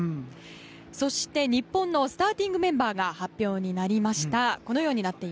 そして、日本のスターティングメンバーが発表になりました。